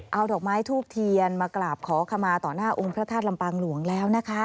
เอาดอกไม้ทูบเทียนมากราบขอขมาต่อหน้าองค์พระธาตุลำปางหลวงแล้วนะคะ